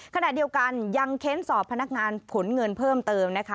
ขณะเดียวกันยังเค้นสอบพนักงานขนเงินเพิ่มเติมนะคะ